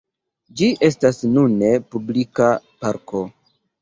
Ĝi estas nune publika parko.